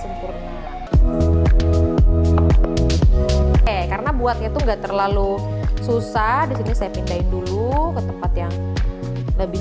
ini karena buat itu enggak terlalu susah di sini saya pindahin dulu ke tempat yang lebih